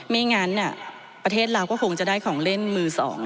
ไม่งั้นประเทศเราก็คงจะได้ของเล่นมือสอง